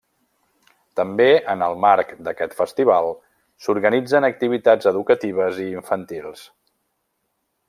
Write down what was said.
També en el marc d'aquest festival s'organitzen activitats educatives i infantils.